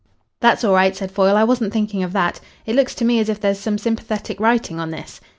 "That's all right," said Foyle. "I wasn't thinking of that. It looks to me as if there's some sympathetic writing on this."